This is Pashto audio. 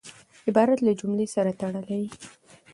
عبارت له جملې سره تړلی يي.